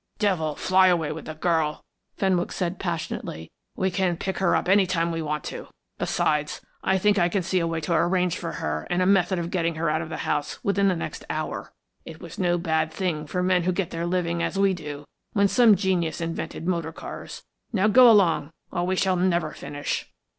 "Devil fly away with the girl," Fenwick said passionately. "We can pick her up at any time we want to. Besides, I think I can see a way to arrange for her and a method of getting her out of the house within the next hour. It was no bad thing for men who get their living as we do when some genius invented motor cars. Now do go along or we shall never finish."